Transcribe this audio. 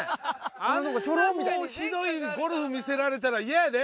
あんなもうひどいゴルフ見せられたら嫌やで。